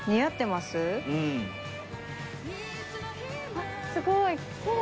あっすごい奇麗。